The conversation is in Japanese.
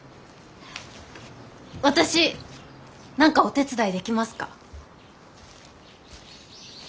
私何かお手伝いできますか？